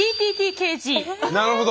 なるほど。